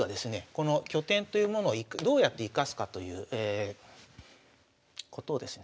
この拠点というものをどうやって生かすかということをですね